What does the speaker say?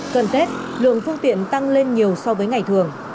gần tết lượng phương tiện tăng lên nhiều so với ngày thường